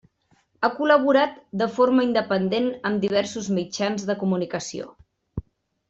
Ha col·laborat de forma independent amb diversos mitjans de comunicació.